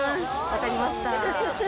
分かりました。